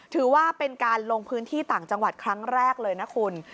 ถือว่าเป็นการลงพื้นที่ต่างจังหวัดครั้งแรกเลยนะคุณ